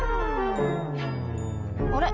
あれ？